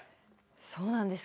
そうなんですかね。